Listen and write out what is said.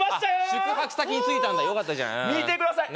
宿泊先に着いたんだよかったじゃん見てください